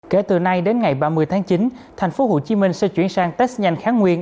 kể từ nay đến ngày ba mươi tháng chín thành phố hồ chí minh sẽ chuyển sang test nhanh kháng nguyên